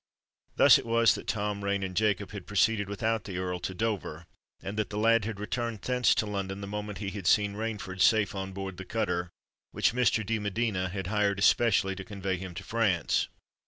Thus was it that Tom Rain and Jacob had proceeded without the Earl to Dover, and that the lad had returned thence to London the moment he had seen Rainford safe on board the cutter which Mr. de Medina had hired especially to convey him to France.